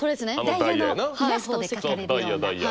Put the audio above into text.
ダイヤのイラストで描かれるような。